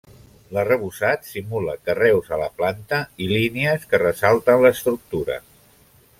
L'arrebossat simula carreus a la planta i línies que ressalten l'estructura.